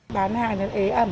bán hàng nó ế ẩm